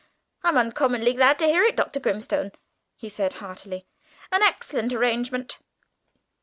"I'm uncommonly glad to hear it, Dr. Grimstone," he said heartily, "an excellent arrangement.